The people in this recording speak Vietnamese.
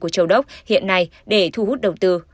của châu đốc hiện nay để thu hút đầu tư